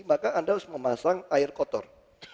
maka anda harus memasang air kotor